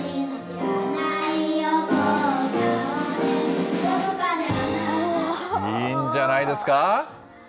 いいんじゃないですか？